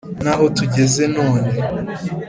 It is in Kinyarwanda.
n’aho tugeze none